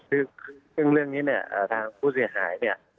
ซึ่งเรื่องนี้เนี่ยทางผู้เสียหายเนี่ย